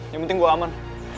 yang penting gua aman